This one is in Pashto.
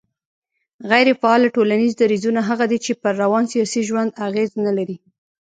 غيري فعاله ټولنيز درځونه هغه دي چي پر روان سياسي ژوند اغېز نه لري